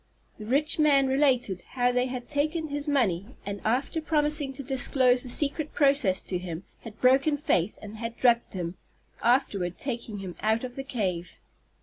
The rich man related how they had taken his money, and, after promising to disclose the secret process to him, had broken faith, and had drugged him, afterward taking him out of the cave.